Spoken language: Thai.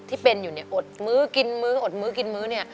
ที่เป็นอยู่เนี่ยอดมื้อกินมื้ออดมื้อกินมื้อเนี่ย